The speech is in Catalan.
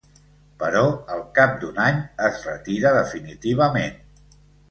Però al cap d'un any es retira definitivament.